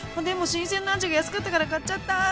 でも新鮮なアジが安かったから買っちゃった！